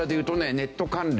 ネット関連。